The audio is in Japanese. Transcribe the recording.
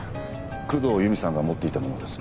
工藤由美さんが持っていたものです。